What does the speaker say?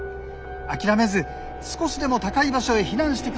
諦めず少しでも高い場所へ避難してください。